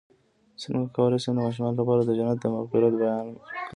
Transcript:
څنګه کولی شم د ماشومانو لپاره د جنت د مغفرت بیان کړم